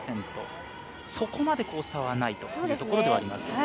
そこまで差はないところです。